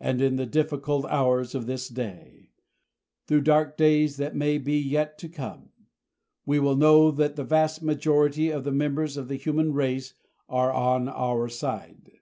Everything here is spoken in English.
And in the difficult hours of this day through dark days that may be yet to come we will know that the vast majority of the members of the human race are on our side.